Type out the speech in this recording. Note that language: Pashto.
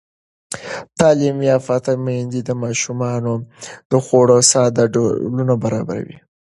تعلیم یافته میندې د ماشومانو د خوړو ساده ډولونه برابروي.